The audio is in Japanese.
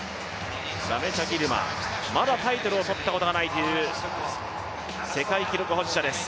ラメチャ・ギルマ、まだタイトルを取ったことがないという世界記録保持者です。